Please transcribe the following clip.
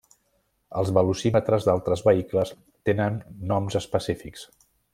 Els velocímetres d'altres vehicles tenen noms específics.